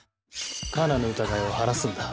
カナの疑いを晴らすんだ。